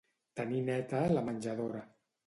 Tenir neta la menjadora.